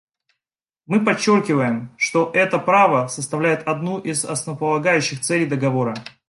Мы подчеркиваем, что это право составляет одну из основополагающих целей Договора.